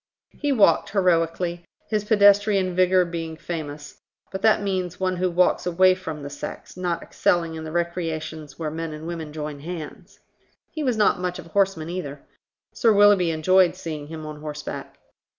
He walked heroically, his pedestrian vigour being famous, but that means one who walks away from the sex, not excelling in the recreations where men and women join hands. He was not much of a horseman either. Sir Willoughby enjoyed seeing him on horseback.